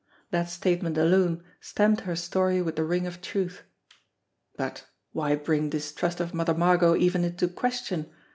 That state ment alone stamped her story with the ring of truth. But why bring distrust of Mother Margot even into question!